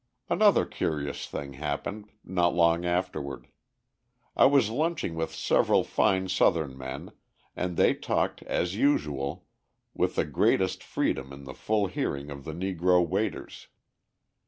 Another curious thing happened not long afterward. I was lunching with several fine Southern men, and they talked, as usual, with the greatest freedom in the full hearing of the Negro waiters.